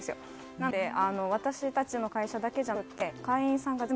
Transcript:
なので私たちの会社だけじゃなくって。